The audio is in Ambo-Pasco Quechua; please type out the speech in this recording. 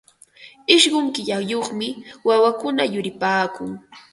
Ishqun killayuqmi wawakuna yuripaakun.